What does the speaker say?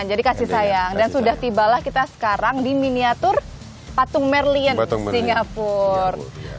jadi kasih sayang dan sudah tibalah kita sekarang di miniatur patung merlin di singapura